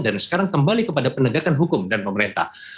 dan sekarang kembali kepada pendagangan hukum dan pemerintah